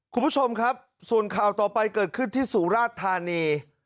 คุณผู้ชมครับส่วนข่าวต่อไปเกิดขึ้นที่สุราชธานี